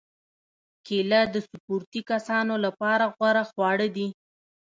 کېله د سپورتي کسانو لپاره غوره خواړه ده.